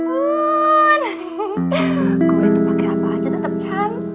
kau itu pakai apa aja tetep cantik